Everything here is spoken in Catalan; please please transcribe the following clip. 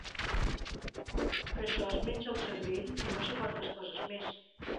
Que això es menja el cervell i no sé quantes coses més.